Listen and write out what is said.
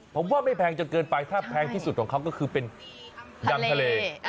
ผมว่าไม่แพงจนเกินไปถ้าแพงที่สุดของเขาก็คือเป็นยำทะเล